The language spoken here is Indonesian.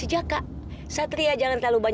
ini ada sesuatu di ibu